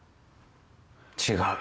違う。